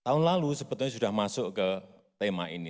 tahun lalu sebetulnya sudah masuk ke tema ini